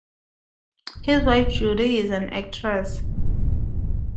His wife Judi is an actress.